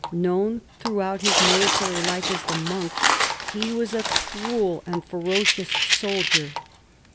Known throughout his military life as " the Monk," he was a cruel and ferocious soldier.